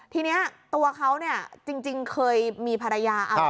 ทีนี้ตัวเขาเนี่ยจริงเคยมีภรรยา